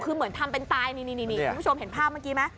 คือเหมือนทำเป็นตายนี่คุณผู้ชมเห็นภาพเมื่อกี้ไหม